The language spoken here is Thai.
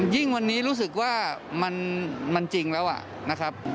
ยิ่งวันนี้รู้สึกว่ามันจริงแล้วนะครับ